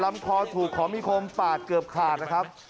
คอถูกของมีคมปาดเกือบขาดนะครับ